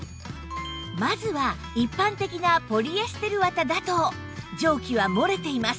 まずは一般的なポリエステルわただと蒸気は漏れています